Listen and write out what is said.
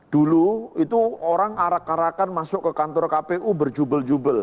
dulu itu orang arak arakan masuk ke kantor kpu berjubel jubel